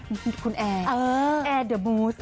คุณแอร์แอร์เดอร์บูส